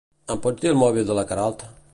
Em pots dir el mòbil de la Queralt?